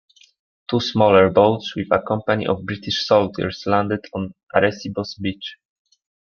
Two smaller boats with a company of British soldiers landed on Arecibo's beach.